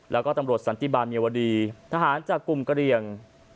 แล้วก็ตำรวจสันติบาลเยาวดีทหารจากกลุ่มกระเรียง